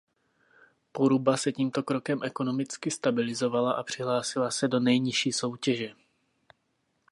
Poruba se tímto krokem ekonomicky stabilizovala a přihlásila se do nejnižší soutěže.